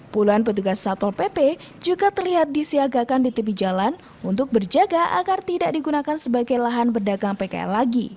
puluhan petugas satpol pp juga terlihat disiagakan di tepi jalan untuk berjaga agar tidak digunakan sebagai lahan pedagang pkl lagi